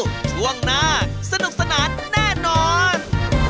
ช่วงหน้าสนุกสนานแน่นอน